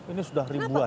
ini sudah ribuan